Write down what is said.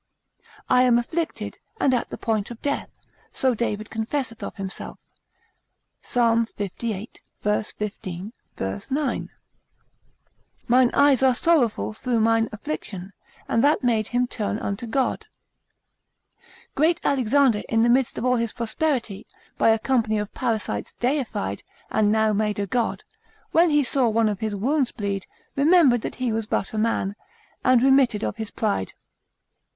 I am afflicted, and at the point of death, so David confesseth of himself, Psal. lxxxviii. v. 15, v. 9. Mine eyes are sorrowful through mine affliction: and that made him turn unto God. Great Alexander in the midst of all his prosperity, by a company of parasites deified, and now made a god, when he saw one of his wounds bleed, remembered that he was but a man, and remitted of his pride.